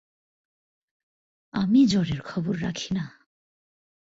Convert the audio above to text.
আমি জ্বরের খবর রাখি না!